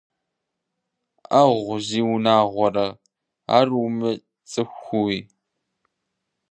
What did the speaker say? Ӏагъу зиунагъуэрэ, ар умыцӀыхууи?!